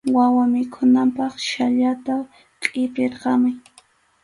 Waka mikhunanpaq chhallata qʼipirqamuy.